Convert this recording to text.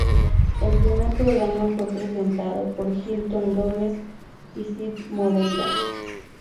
El primer programa fue presentado por Hilton Gomes y Cid Moreira.